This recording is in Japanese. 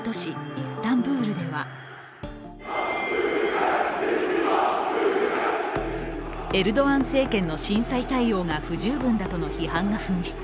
イスタンブールではエルドアン政権の震災対応が不十分だとの批判が噴出。